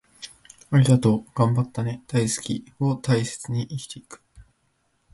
『ありがとう』、『頑張ったね』、『大好き』を大切にして生きていく